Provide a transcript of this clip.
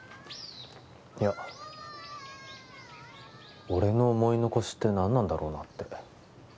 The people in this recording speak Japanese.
いや俺の思い残しって何なんだろうなって